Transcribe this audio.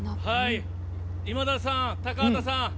今田さん、高畑さん。